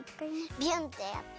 ビュンってやって。